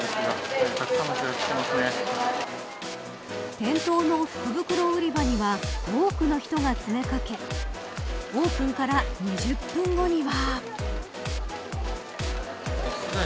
店頭の福袋売り場には多くの人が詰め掛けオープンから２０分後には。